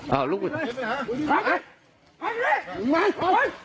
เอาเลยเอาเลยเอาเลย